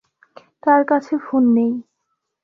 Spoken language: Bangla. তার কাছে ফোন নেই।